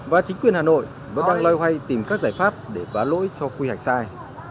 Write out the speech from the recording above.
và chính quyền hà nội vẫn đang loay hoay tìm các giải pháp để phá lỗi cho quy hoạch sai